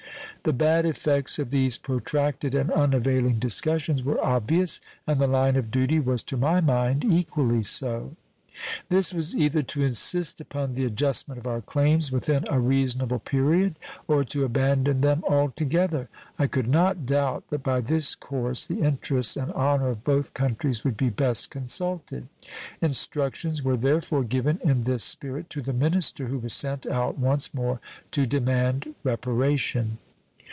The bad effects of these protracted and unavailing discussions, were obvious, and the line of duty was to my mind equally so. This was either to insist upon the adjustment of our claims within a reasonable period or to abandon them altogether. I could not doubt that by this course the interests and honor of both countries would be best consulted. Instructions were therefore given in this spirit to the minister who was sent out once more to demand reparation.